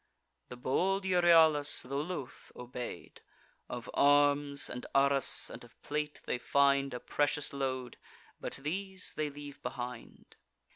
The bold Euryalus, tho' loth, obey'd. Of arms, and arras, and of plate, they find A precious load; but these they leave behind.